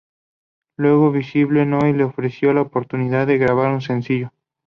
Luego Visible Noise les ofreció la oportunidad de grabar un sencillo.